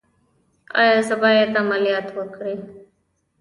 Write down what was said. ایا زه باید عملیات وکړم؟